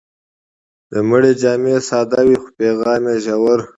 د مړي جامې ساده وي، خو پیغام ژور.